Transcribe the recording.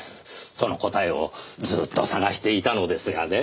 その答えをずっと探していたのですがね。